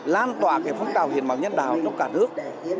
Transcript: lan tỏa cái phong trào hiến máu nhân đào trong cả nước